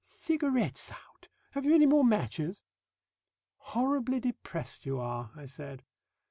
Cigarette's out! Have you any more matches?" "Horribly depressed you are!" I said.